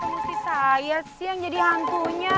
pak rt kenapa mesti saya sih yang jadi hantunya